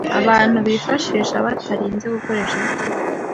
abantu bifashisha batarinze gukoresha ibitemewe.